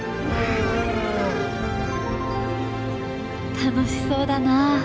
楽しそうだなあ。